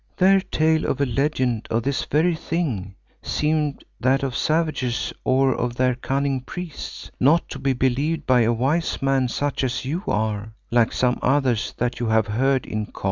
Their tale of a legend of this very thing seemed that of savages or of their cunning priests, not to be believed by a wise man such as you are, like some others that you have heard in Kôr.